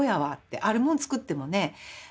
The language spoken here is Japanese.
あるもんつくってもね